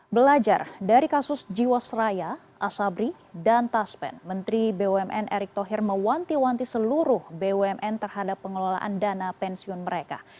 belajar dari kasus jiwasraya asabri dan taspen menteri bumn erick thohir mewanti wanti seluruh bumn terhadap pengelolaan dana pensiun mereka